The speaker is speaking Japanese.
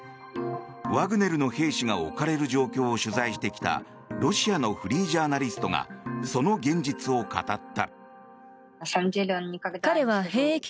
ワグネルの兵士が置かれる状況を取材してきたロシアのフリージャーナリストがその現実を語った。